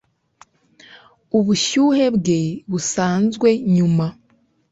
ubushyuhe bwe busanzwe nyuma